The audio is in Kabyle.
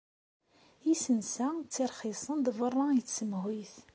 Isensa ttirxisen-d beṛṛa i tsemhuyt.